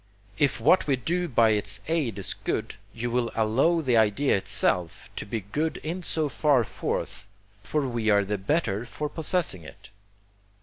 If what we do by its aid is good, you will allow the idea itself to be good in so far forth, for we are the better for possessing it.